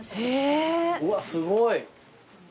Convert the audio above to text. うわっすごい。